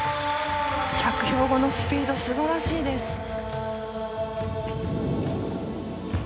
着氷後のスピード素晴らしいです。